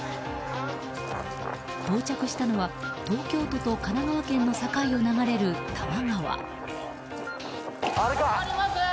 到着したのは、東京都と神奈川県の境を流れる多摩川。